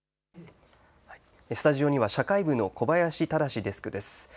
スタジオには社会部の小林直デスクです。